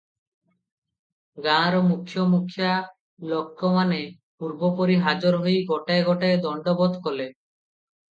ଗାଁର ମୁଖ୍ୟା ମୁଖ୍ୟା ଲୋକମାନେ ପୂର୍ବପରି ହାଜର ହୋଇ ଗୋଟାଏ ଗୋଟାଏ ଦଣ୍ଡବତ୍ କଲେ ।